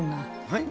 はい？